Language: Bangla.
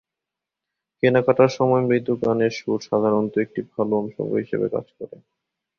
কেনাকাটার সময় মৃদু গানের সুর সাধারণত একটি ভালো অনুষঙ্গ হিসেবে কাজ করে।